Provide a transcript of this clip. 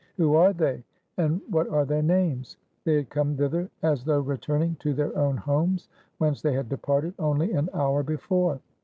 "Who are they?" and "What are their names?" They had come thither as though returning to their own homes whence they had departed only an hour before.